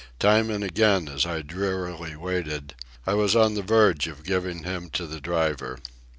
Time and again, as I drearily waited, I was on the verge of giving him to the driver.